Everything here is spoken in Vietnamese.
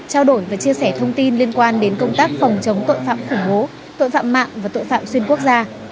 trao đổi và chia sẻ thông tin liên quan đến công tác phòng chống tội phạm khủng bố tội phạm mạng và tội phạm xuyên quốc gia